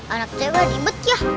anak cewe dibet ya